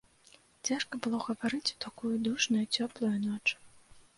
Цяжка было гаварыць у такую душную, цёплую ноч.